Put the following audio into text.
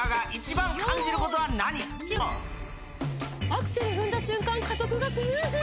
アクセル踏んだ瞬間加速がスムーズ！